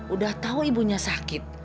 udah tahu ibunya sakit